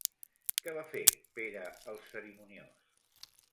Què va fer Pere el Cerimoniós?